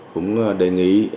cũng đề nghị